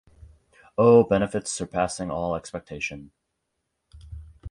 O benefits surpassing all expectation!